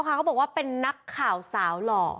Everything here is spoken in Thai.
เขาบอกว่าเป็นนักข่าวสาวหล่อ